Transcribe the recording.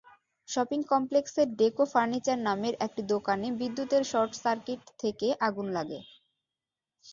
Shopping কমপ্লেক্সের Deco Furniture নামের একটি দোকানে বিদ্যুতের শর্টসার্কিট থেকে আগুন লাগে।